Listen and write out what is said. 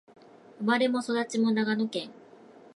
生まれも育ちも長野県